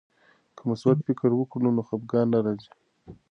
که مثبت فکر وکړو نو خفګان نه راځي.